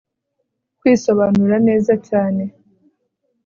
kwisobanura neza cyane